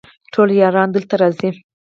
ټول یاران دلته راځي